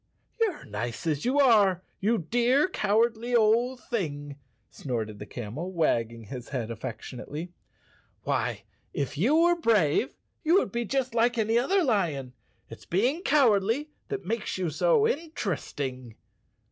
"You're nice as you are, you dear cowardly old thing," snorted the camel, wagging his head affection¬ ately. " Why, if you were brave, you would be just like any other lion. It's being cowardly that makes you so interesting."